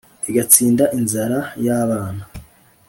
igatsinda inzara ya bana,